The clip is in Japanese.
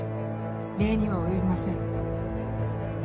礼には及びません。